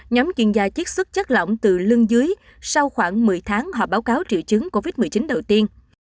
nhóm chuyên gia chiết xuất chất lỏng từ lưng dưới sau khoảng một mươi tháng họ báo cáo triệu chứng covid một mươi chín đầu tiên